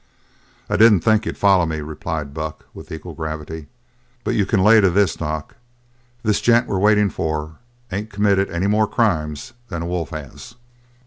"I didn't think you'd follow me," replied Buck with an equal gravity. "But you can lay to this, Doc; this gent we're waitin' for ain't committed any more crimes than a wolf has."